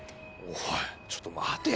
おいちょっと待てよ。